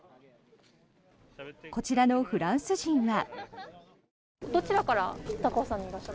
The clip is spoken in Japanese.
こちらのフランス人は。